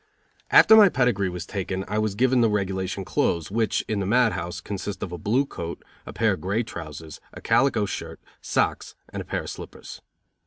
After my pedigree was taken I was given the regulation clothes, which, in the mad house, consist of a blue coat, a pair of grey trousers, a calico shirt, socks and a pair of slippers.